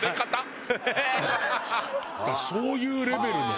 そういうレベルの。